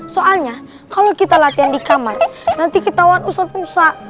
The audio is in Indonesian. soalnya kalau kita latihan di kamar nanti ketahuan ustaz musa